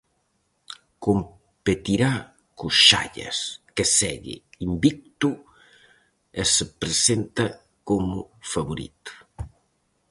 Competirá co Xallas, que segue invicto e se presenta como favorito.